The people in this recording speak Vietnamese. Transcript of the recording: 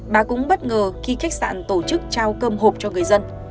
bà cũng bất ngờ khi khách sạn tổ chức trao cơm hộp cho người dân